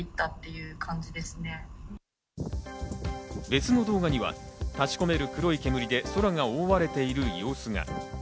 別の動画にはたちこめる黒い煙で空が覆われている様子が。